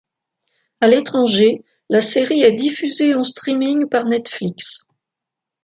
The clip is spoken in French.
À l'étranger, la série est diffusée en streaming par Netflix.